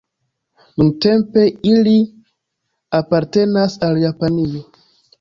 Nuntempe ili apartenas al Japanio.